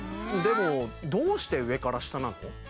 でもどうして上から下なの？